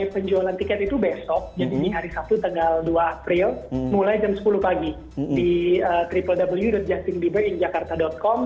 mulai penjualan tiket itu besok jadi hari sabtu tanggal dua april mulai jam sepuluh pagi di www justingblibesjakarta com